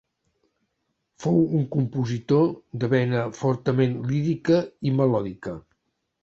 Fou un compositor de vena fortament lírica i melòdica.